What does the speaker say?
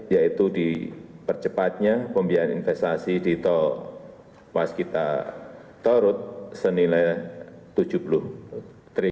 yaitu dipercepatnya pembiayaan investasi di tol waskita tolut senilai rp tujuh puluh triliun